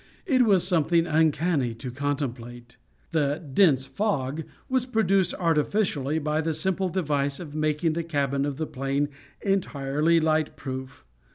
It was something uncanny to contemplate. The "dense fog" was produced artificially by the simple device of making the cabin of the plane entirely light proof.